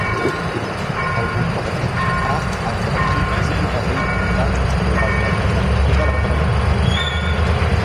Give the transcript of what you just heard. El bombardeig ha exercit un paper important en la regeneració de la zona.